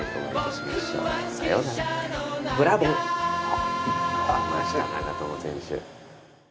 おっ出ました長友選手。